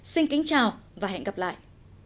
xin kính chào và hẹn gặp lại